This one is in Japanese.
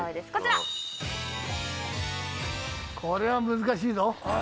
これは難しいぞ。